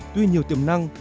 tuy nhiều tiềm năng